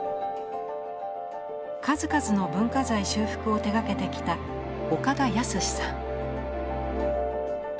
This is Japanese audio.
数々の文化財修復を手がけてきた岡田靖さん。